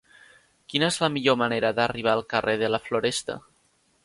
Quina és la millor manera d'arribar al carrer de la Floresta?